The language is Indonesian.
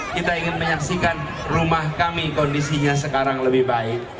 kita ingin menyaksikan rumah kami kondisinya sekarang lebih baik